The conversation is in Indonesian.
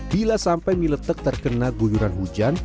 bila sampai mie letek terkena guyuran hujan